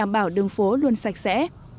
bảo đường phố luôn sạch sẽ